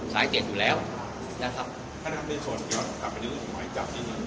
แม้มายอย่างว่าคล้ายคำล้อหมายจำว่าต้องลุกอาชีพ